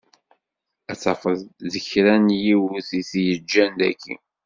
Ad tafeḍ d kra n yiwet i t-yeǧǧan daki.